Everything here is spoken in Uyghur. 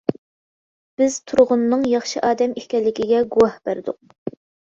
بىز تۇرغۇننىڭ ياخشى ئادەم ئىكەنلىكىگە گۇۋاھ بەردۇق.